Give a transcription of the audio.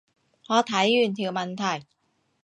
我睇完條問題